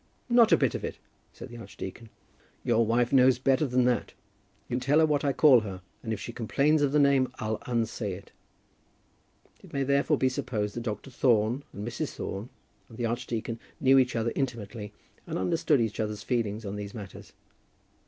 "Not a bit of it," said the archdeacon. "Your wife knows better than that. You tell her what I call her, and if she complains of the name, I'll unsay it." It may therefore be supposed that Dr. Thorne, and Mrs. Thorne, and the archdeacon, knew each other intimately, and understood each other's feelings on these matters.